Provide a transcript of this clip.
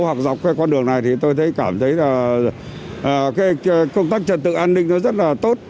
hoặc dọc con đường này thì tôi cảm thấy công tác trật tự an ninh rất tốt